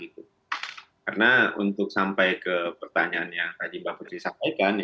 karena untuk sampai ke pertanyaan yang tadi mbak putri sampaikan